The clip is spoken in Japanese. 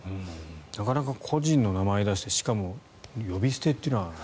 なかなか個人の名前を出してしかも呼び捨てというのは。